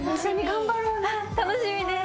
あっ楽しみです。